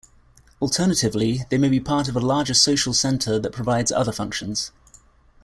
Alternatively, they may be part of a larger social center that provides other functions.